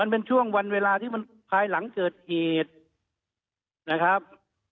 มันเป็นช่วงวันเวลาที่มันภายหลังเกิดเหตุนะครับ